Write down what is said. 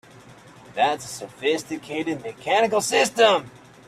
That's a sophisticated mechanical system!